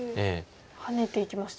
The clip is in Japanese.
ハネていきました。